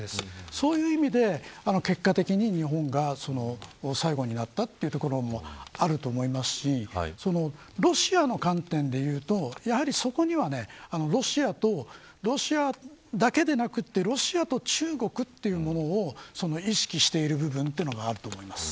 そういうわけで、結果的に日本が最後になったというところもあると思いますしロシアの観点でいうとやはり、そこにはロシアだけではなくロシアと中国というものを意識している部分があると思います。